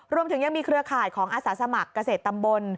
รวมถึงยังมีเครือข่ายของอาสาสมัครเกษตรตำบล